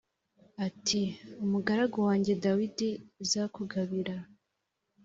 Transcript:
ati ‘Umugaragu wanjye Dawidi zakugabira